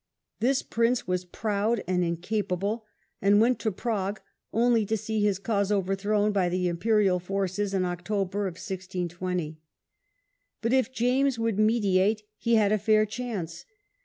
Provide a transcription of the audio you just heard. This prince was proud and incapable, and went to Prague only to see his cause overthrown by the Imperial forces in Oct., 1620. But if James would mediate he had a fair chance.